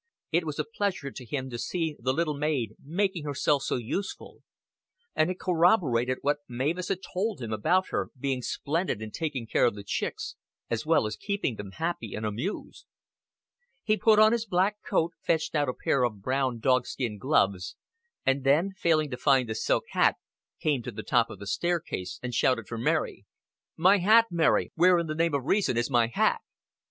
It was a pleasure to him to see the little maid making herself so useful; and it corroborated what Mavis had told him about her being splendid in taking care of the chicks, as well as keeping them happy and amused. He put on his black coat, fetched out a pair of brown dogskin gloves, and then, failing to find the silk hat, came to the top of the staircase and shouted for Mary. "My hat, Mary. Where in the name of reason is my hat?"